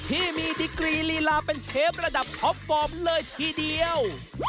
ที่มีดิกรีลีลาเป็นเชฟระดับพอบเลยทีเดียว